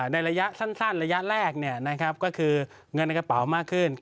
ในระยะสั้นระยะแรกก็คือเงินในกระเป๋ามากขึ้น